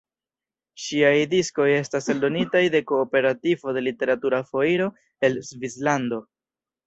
Ŝiaj diskoj estas eldonitaj de Kooperativo de Literatura Foiro, el Svislando.